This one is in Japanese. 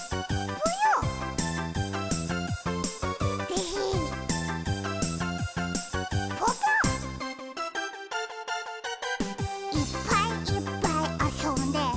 ぽぽ「いっぱいいっぱいあそんで」